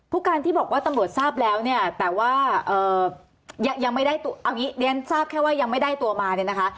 ผู้การที่บอกว่าตำรวจทราบแล้วเนี่ยแต่ว่ายังไม่ได้ตัวมาเนี่ยนะคะ